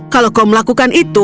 kalau kau melakukan itu